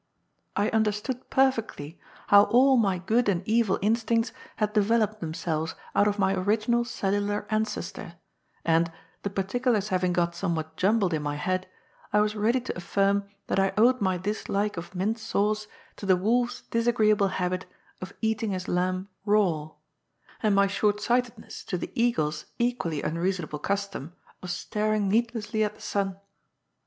I understood i>er ^lAKK A STREAM UNDER A WILLOW TREE." 85 f ectly how all my good and evil instincts had deyeloped themselves out of my original cellular ancestor, and^ the particulars haying got somewhat jumbled in my head, I was ready to a£Srm that I owed my dislike of mint sauce to the wolf's disagreeable habit of eating his lamb raw, and my short sightedness to the eagle's equally unreasonable custom of staring needlessly at the sun.